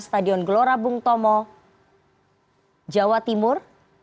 stadion gelora bung tomo jawa timur